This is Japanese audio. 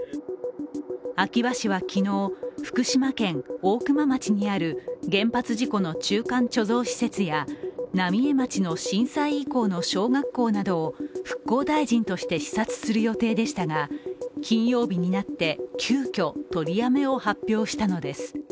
秋葉氏は昨日、福島県大熊町にある原発事故の中間貯蔵施設や浪江町の震災遺構の小学校などを復興大臣として視察する予定でしたが金曜日になって急きょ、取りやめを発表したのです。